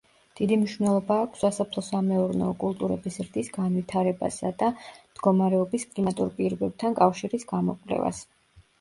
დიდი მნიშვნელობა აქვს სასოფლო-სამეურნეო კულტურების ზრდის განვითარებასა და მდგომარეობის კლიმატურ პირობებთან კავშირის გამოკვლევას.